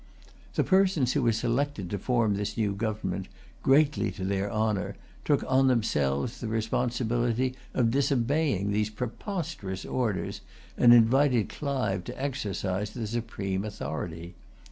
The persons who were selected to form this new government, greatly to their honour, took on themselves the responsibility of disobeying these preposterous orders, and invited Clive to exercise the supreme authority.